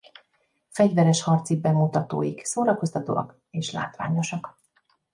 Fegyveres harci bemutatóik szórakoztatóak és látványosak.